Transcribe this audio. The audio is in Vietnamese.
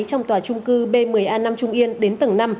trong tòa trung cư b một mươi a năm trung yên đến tầng năm